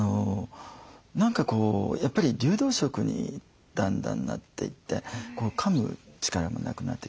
何かこうやっぱり流動食にだんだんなっていってかむ力もなくなってきますから。